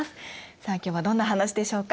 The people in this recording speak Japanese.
さあ今日はどんな話でしょうか。